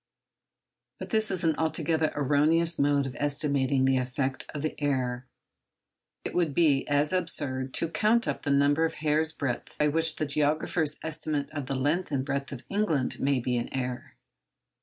But this is an altogether erroneous mode of estimating the effect of the error. It would be as absurd to count up the number of hairs' breadth by which the geographer's estimates of the length and breadth of England may be in error.